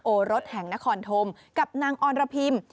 รถแห่งนครธมกับนางออรพิม